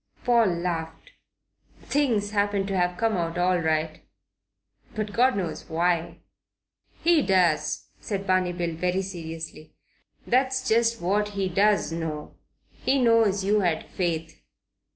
Paul laughed. "Things happen to have come out all right, but God knows why." "He does," said Barney Bill very seriously. "That's just what He does know. He knows you had faith."